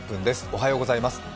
おはようございます。